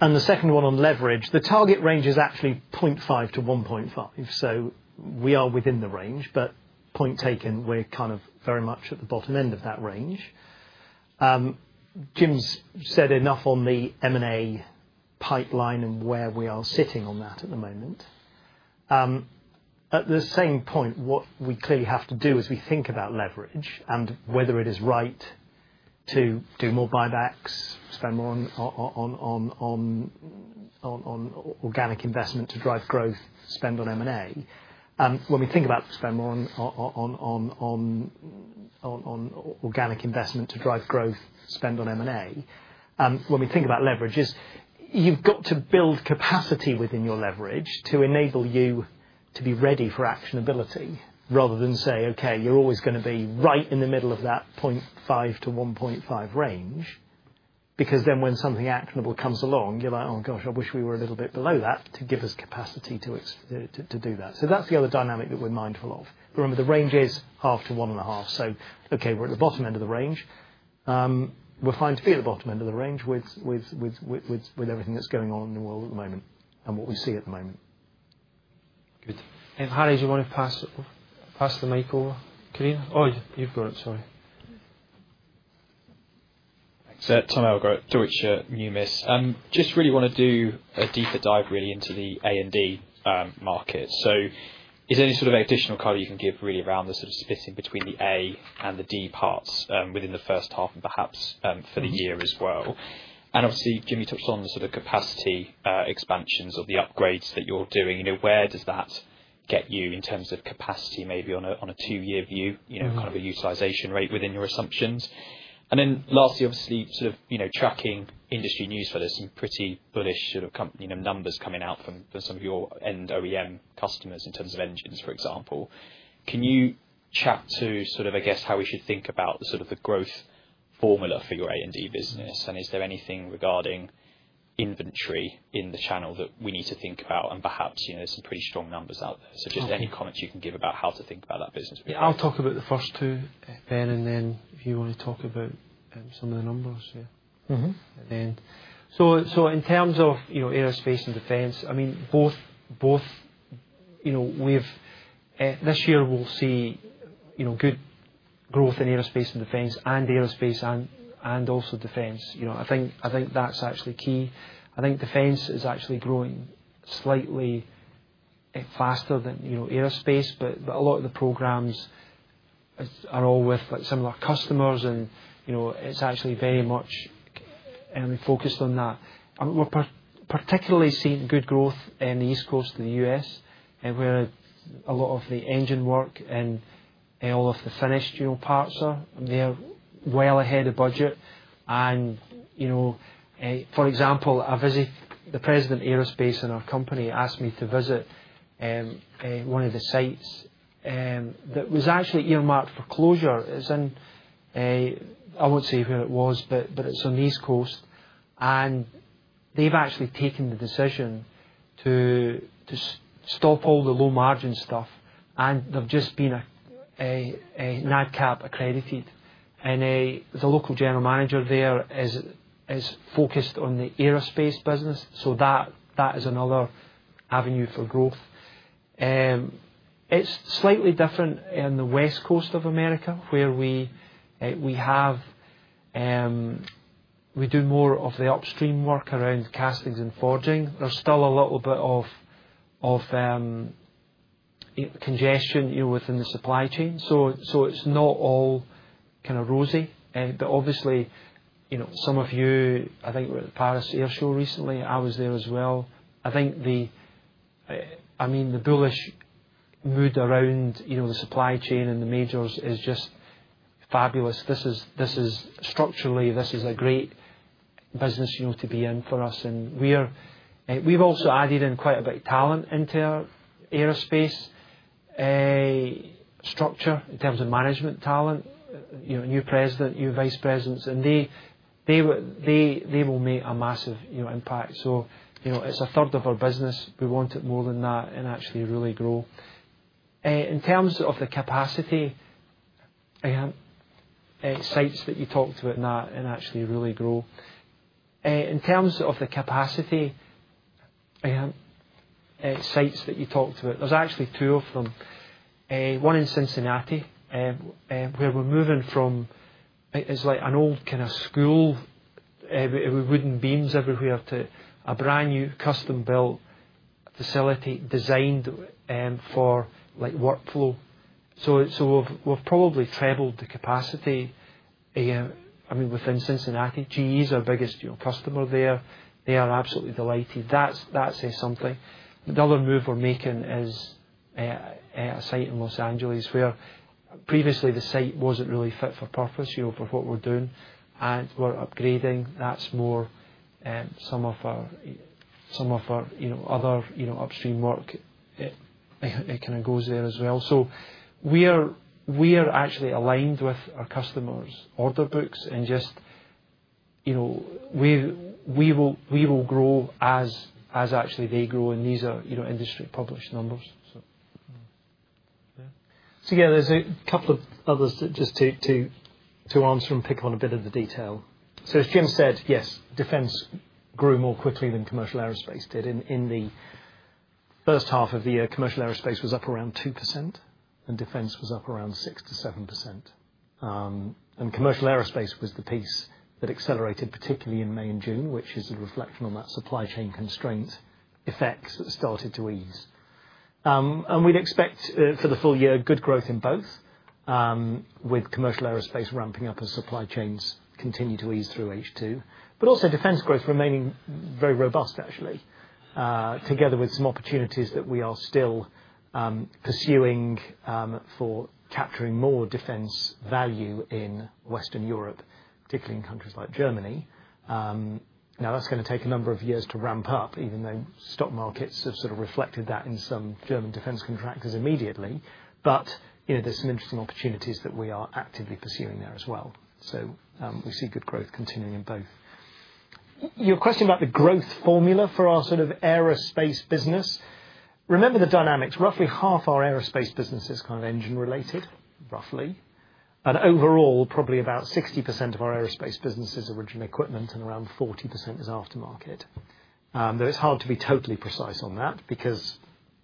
The second one on leverage, the target range is actually 0.5-1.5. We are within the range, but point taken, we're kind of very much at the bottom end of that range. Jim's said enough on the M&A pipeline and where we are sitting on that at the moment. At the same point, what we clearly have to do is think about leverage and whether it is right to do more buybacks, spend more on organic investment to drive growth, spend on M&A. When we think about spending more on organic investment to drive growth, spend on M&A, when we think about leverage, you've got to build capacity within your leverage to enable you to be ready for actionability rather than say, okay, you're always going to be right in the middle of that 0.5-1.5 range. Because then when something actionable comes along, you're like, oh gosh, I wish we were a little bit below that to give us capacity to do that. That's the other dynamic that we're mindful of. Remember, the range is 0.5-1.5. We're at the bottom end of the range. We're fine to be at the bottom end of the range with everything that's going on in the world at the moment and what we see at the moment. Good. Harry, do you want to pass the mic over? Oh, you've got it. Sorry. I'll go through it. I just really want to do a deeper dive into the A&D market. Is there any sort of additional color you can give around the splitting between the A and the D parts within the first half and perhaps for the year as well? Obviously, Jim, you touched on the capacity expansions of the upgrades that you're doing. Where does that get you in terms of capacity maybe on a two-year view, kind of a utilization rate within your assumptions? Lastly, obviously, tracking industry newsletters and pretty bullish company numbers coming out from some of your end OEM customers in terms of engines, for example. Can you chat to how we should think about the growth formula for your A&D business? Is there anything regarding inventory in the channel that we need to think about? There are some pretty strong numbers out there. Any comments you can give about how to think about that business? Yeah, I'll talk about the first two, Ben, and then if you want to talk about some of the numbers, yeah. In terms of aerospace and defence, I mean, both, both, you know, this year we'll see good growth in aerospace and defence and aerospace and also defence. I think that's actually key. I think defence is actually growing slightly faster than aerospace, but a lot of the programs are all with similar customers and it's actually very much focused on that. We're particularly seeing good growth in the East Coast of the U.S. where a lot of the engine work and all of the finished parts are there well ahead of budget. For example, I visit the President of Aerospace and our company asked me to visit one of the sites that was actually earmarked for closure. It's in, I won't say where it was, but it's on the East Coast. They've actually taken the decision to stop all the low margin stuff. They've just been NADCAP accredited, and the local General Manager there is focused on the aerospace business. That is another avenue for growth. It's slightly different in the West Coast of America where we do more of the upstream work around castings and forging. There's still a little bit of congestion within the supply chain. It's not all kind of rosy. Obviously, some of you, I think we were at the Paris Air Show recently. I was there as well. The bullish mood around the supply chain and the majors is just fabulous. Structurally, this is a great business to be in for us. We've also added in quite a bit of talent into aerospace structure in terms of management talent, a new President, new Vice Presidents, and they will make a massive impact. It's a third of our business. We want it more than that and actually really grow. In terms of the capacity, I have sites that you talked about now and actually really grow. In terms of the capacity, I have sites that you talked about. There's actually three of them. One in Cincinnati, where we're moving from, it's like an old kind of school with wooden beams everywhere to a brand new custom-built facility designed for workflow. We've probably tripled the capacity. Within Cincinnati, GE is our biggest customer there. They are absolutely delighted. That says something. The other move we're making is a site in Los Angeles where previously the site wasn't really fit for purpose for what we're doing, and we're upgrading. That's more some of our other upstream work. It kind of goes there as well. We're actually aligned with our customers' order books, and we will grow as they grow. These are industry published numbers. Yeah, there's a couple of others just to answer and pick on a bit of the detail. As Jim said, yes, defence grew more quickly than commercial aerospace did. In the first half of the year, commercial aerospace was up around 2% and defence was up around 6%-7%. Commercial aerospace was the piece that accelerated, particularly in May and June, which is a reflection on that supply chain constraint effects that started to ease. We'd expect for the full year good growth in both, with commercial aerospace ramping up and supply chains continuing to ease through H2. Defence growth is also remaining very robust, actually, together with some opportunities that we are still pursuing for capturing more defence value in Western Europe, particularly in countries like Germany. That's going to take a number of years to ramp up, even though stock markets have sort of reflected that in some German defence contractors immediately. There are some interesting opportunities that we are actively pursuing there as well. We see good growth continuing in both. Your question about the growth formula for our sort of aerospace business, remember the dynamics, roughly half our aerospace business is kind of engine-related, roughly. Overall, probably about 60% of our aerospace business is original equipment and around 40% is aftermarket. It's hard to be totally precise on that because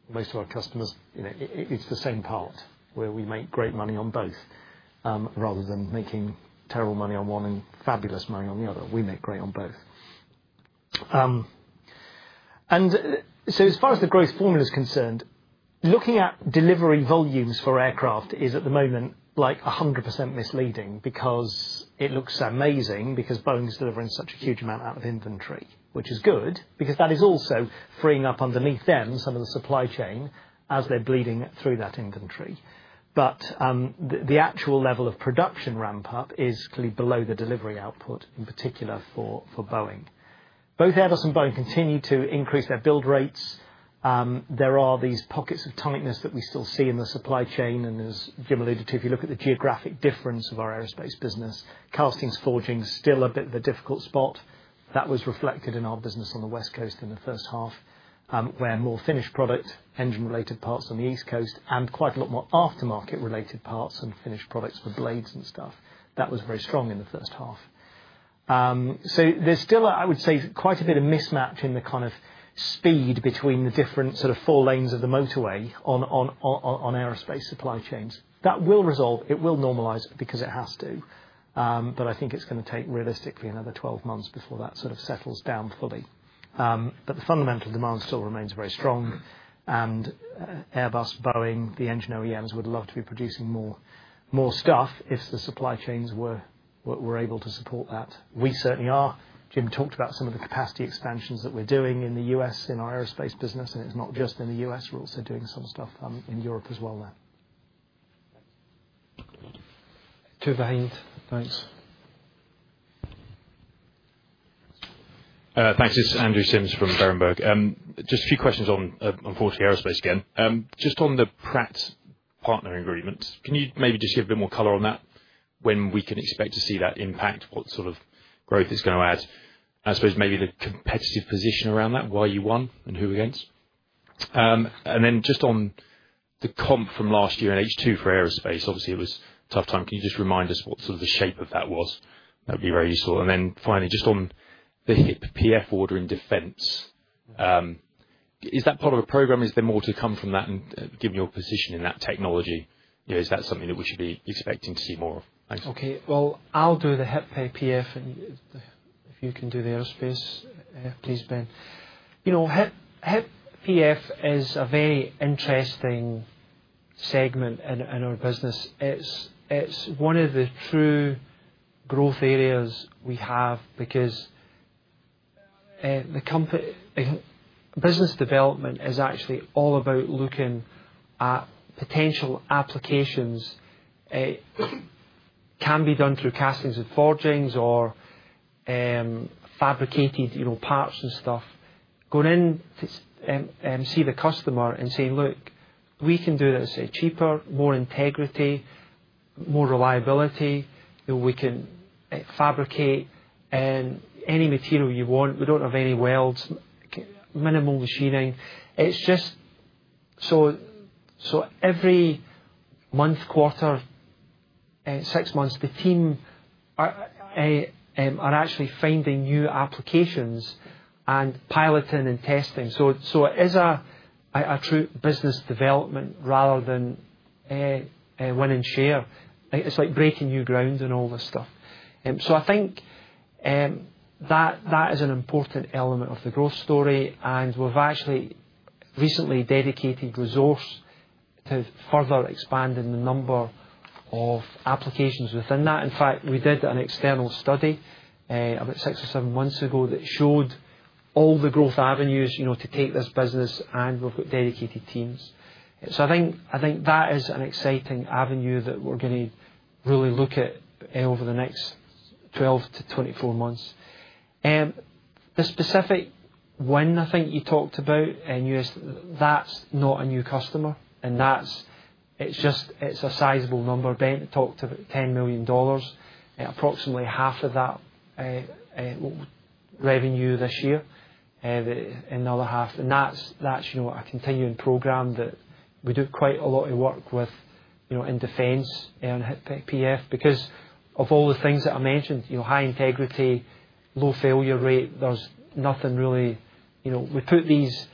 most of our customers, you know, it's the same part where we make great money on both, rather than making terrible money on one and fabulous money on the other. We make great on both. As far as the growth formula is concerned, looking at delivery volumes for aircraft is at the moment like 100% misleading because it looks amazing because Boeing is delivering such a huge amount out of inventory, which is good because that is also freeing up underneath them some of the supply chain as they're bleeding through that inventory. The actual level of production ramp-up is clearly below the delivery output in particular for Boeing. Both Airbus and Boeing continue to increase their build rates. There are these pockets of tonicness that we still see in the supply chain. As Jim alluded to, if you look at the geographic difference of our aerospace business, castings forging is still a bit of a difficult spot. That was reflected in our business on the West Coast in the first half, where more finished product, engine-related parts on the East Coast, and quite a lot more aftermarket-related parts and finished products for blades and stuff. That was very strong in the first half. There's still, I would say, quite a bit of mismatch in the kind of speed between the different sort of four lanes of the motorway on aerospace supply chains. That will resolve. It will normalize because it has to. I think it's going to take realistically another 12 months before that sort of settles down fully. The fundamental demand still remains very strong. Airbus, Boeing, the engine OEMs would love to be producing more stuff if the supply chains were able to support that. We certainly are. Jim talked about some of the capacity expansions that we're doing in the U.S. in our aerospace business. It's not just in the U.S. We're also doing some stuff in Europe as well now. Two behind. Thanks. Thanks. This is Andrew Simms from Berenberg. Just a few questions on, unfortunately, aerospace again. Just on the Pratt partnering agreements, can you maybe just give a bit more color on that? When we can expect to see that impact, what sort of growth is going to add? I suppose maybe the competitive position around that, why you won and who against. Just on the comp from last year in H2 for aerospace, obviously it was a tough time. Can you just remind us what sort of the shape of that was? That would be very useful. Finally, just on the HIP PF order in defence, is that part of a program? Is there more to come from that? Given your position in that technology, is that something that we should be expecting to see more of? Okay. I'll do the HIP PF, and if you can do the aerospace, please, Ben. HIP PF is a very interesting segment in our business. It's one of the true growth areas we have because the company, I think, business development is actually all about looking at potential applications. It can be done through castings and forgings or fabricating parts and stuff. Going in to see the customer and saying, "Look, we can do this at cheaper, more integrity, more reliability. We can fabricate any material you want. We don't have any welds, minimal machining." Every month, quarter, six months, the team are actually finding new applications and piloting and testing. It is a true business development rather than winning share. It's like breaking new grounds and all this stuff. I think that is an important element of the growth story. We've actually recently dedicated resource to further expanding the number of applications within that. In fact, we did an external study about six or seven months ago that showed all the growth avenues to take this business and we've got dedicated teams. I think that is an exciting avenue that we're going to really look at over the next 12 to 24 months. The specific win, I think you talked about, and you asked, that's not a new customer. It's just, it's a sizable number. Ben talked about $10 million, approximately half of that revenue this year, and another half. That's a continuing program that we do quite a lot of work with in defence and HIP PF because of all the things that I mentioned, high integrity, low failure rate. There's nothing really, we put these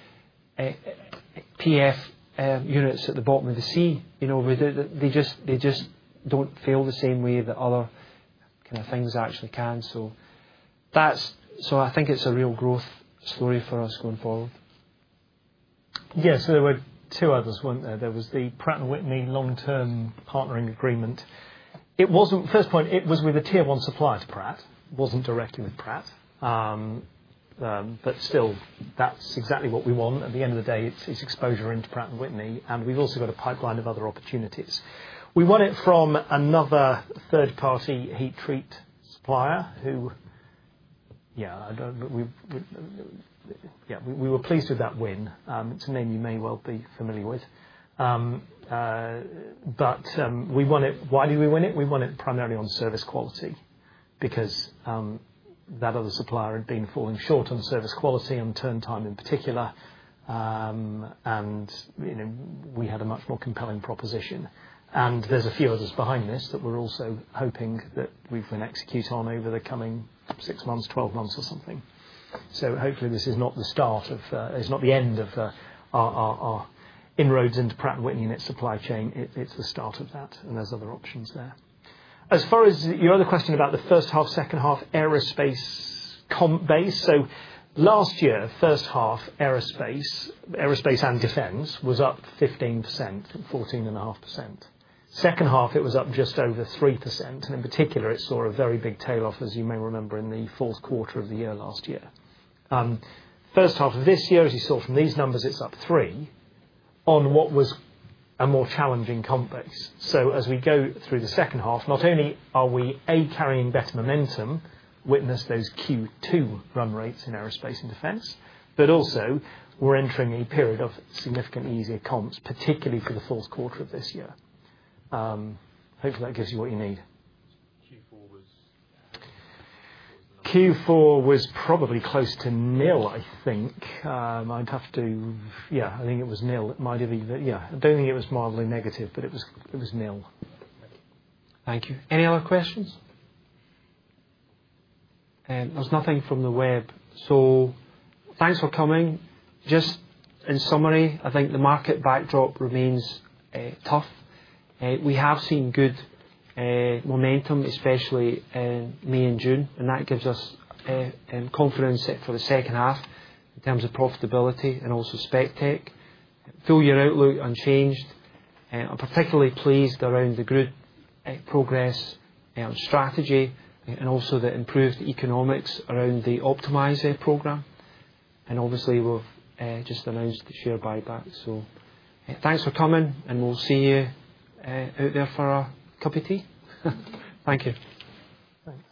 PF units at the bottom of the sea, they just don't fail the same way that other kind of things actually can. I think it's a real growth story for us going forward. Yeah, so there were two others, weren't there? There was the Pratt & Whitney long-term partnering agreement. It wasn't, first point, it was with a tier one supplier to Pratt, wasn't directly with Pratt, but still, that's exactly what we want. At the end of the day, it's exposure into Pratt & Whitney, and we've also got a pipeline of other opportunities. We won it from another third-party heat treat supplier who, yeah, we were pleased with that win. It's a name you may well be familiar with. We won it. Why did we win it? We won it primarily on service quality because that other supplier had been falling short on service quality and turn time in particular. We had a much more compelling proposition. There's a few others behind this that we're also hoping that we can execute on over the coming 6 months, 12 months, or something. Hopefully, this is not the end of our inroads into Pratt & Whitney in its supply chain. It's the start of that, and there's other options there. As far as your other question about the first half, second half aerospace comp base, last year, first half. Aerospace and defence was up 15%, 14.5%. Second half, it was up just over 3%, and in particular, it saw a very big tail-off, as you may remember, in the fourth quarter of the year last year. First half of this year, as you saw from these numbers, it's up 3% on what was a more challenging comp base. As we go through the second half, not only are we carrying better momentum, witness those Q2 run rates in aerospace and defence, but also we're entering a period of significantly easier comps, particularly for the fourth quarter of this year. Hopefully, that gives you what you need. Q4 was probably close to nil, I think. I think it was nil. It might have even—I don't think it was marginally negative, but it was nil. Thank you. Any other questions? There's nothing from the web. Thank you for coming. Just in summary, I think the market backdrop remains tough. We have seen good momentum, especially in May and June, and that gives us confidence for the second half in terms of profitability and also specialist technologies. I feel the outlook is unchanged. I'm particularly pleased around the growth progress on strategy and also the improved economics around the Optimise program. Obviously, we've just announced the share buyback. Thank you for coming, and we'll see you out there for a cup of tea. Thank you. Thanks.